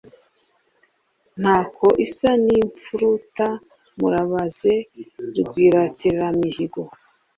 ntako isa ni imfuruta murabaze rwiratiramihigo,